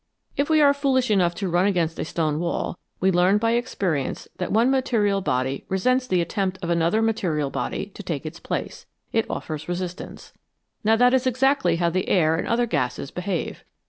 If we are foolish enough to run against a stone wall we learn by experience that one material body resents the attempt of another material body to take its place ; it offers resistance. Now that is exactly how the air and other gases behave.